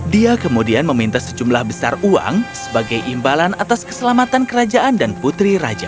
dia kemudian meminta sejumlah besar uang sebagai imbalan atas keselamatan kerajaan dan putri raja